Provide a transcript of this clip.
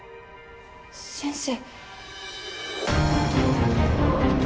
先生。